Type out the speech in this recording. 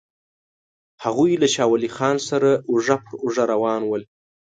هغوی له شاه ولي خان سره اوږه پر اوږه روان ول.